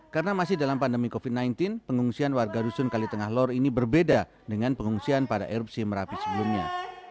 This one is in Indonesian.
karena masih dalam pandemi covid sembilan belas pengungsian warga dusun kalitengah lor ini berbeda dengan pengungsian pada erupsi merapi sebelumnya